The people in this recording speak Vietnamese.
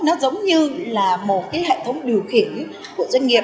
nó giống như là một cái hệ thống điều khiển của doanh nghiệp